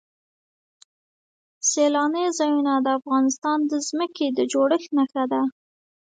سیلانی ځایونه د افغانستان د ځمکې د جوړښت نښه ده.